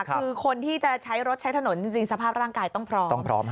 คือคนที่จะใช้รถใช้ถนนจริงสภาพร่างกายต้องพร้อม